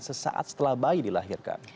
sesaat setelah bayi dilahirkan